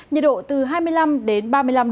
nhiệt độ từ hai mươi năm đến ba mươi năm độ